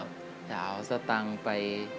จะเอาสตังค์ไป